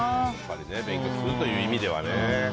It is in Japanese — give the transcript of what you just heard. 勉強するという意味ではね。